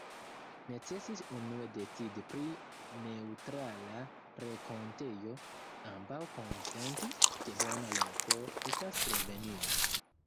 Necesis unue decidi pri neŭtrala renkontejo: ambaŭ konsentis, ke bona loko estas Slovenio.